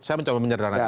saya mencoba menyedarkan